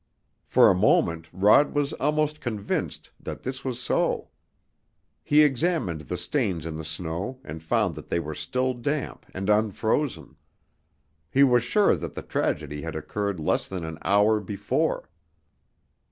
For a moment Rod was almost convinced that this was so. He examined the stains in the snow and found that they were still damp and unfrozen. He was sure that the tragedy had occurred less than an hour before.